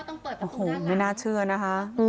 โอ้โหไม่น่าเชื่อนะคะ